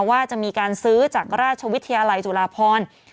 ว่าจะมีการซื้อจากราชวิทยาลัยจุฬาพร